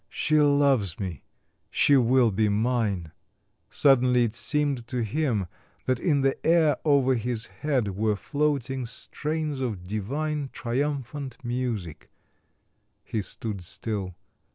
"She loves me, she will be mine." Suddenly it seemed to him that in the air over his head were floating strains of divine triumphant music. He stood still.